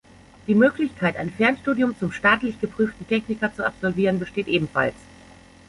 Die Möglichkeit, ein Fernstudium zum staatlich geprüften Techniker zu absolvieren, besteht ebenfalls.